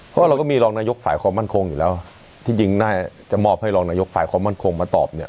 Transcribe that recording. เพราะเราก็มีรองนายกฝ่ายความมั่นคงอยู่แล้วที่จริงน่าจะมอบให้รองนายกฝ่ายความมั่นคงมาตอบเนี่ย